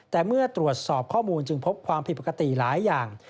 แต่เมื่อตรวจสอบข้อมูลจึงพบความผิดปกติหลายอย่าง